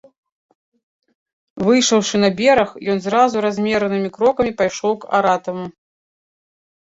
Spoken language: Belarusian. Выйшаўшы на бераг, ён зразу размеранымі крокамі пайшоў к аратаму.